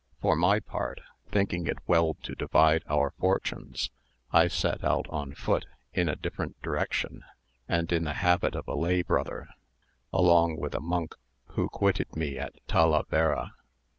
For my part, thinking it well to divide our fortunes, I set out on foot, in a different direction, and in the habit of a lay brother, along with a monk, who quitted me at Talavera.